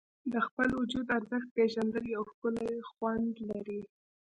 د خپل وجود ارزښت پېژندل یو ښکلی خوند لري.